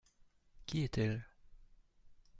Qui est-elle ?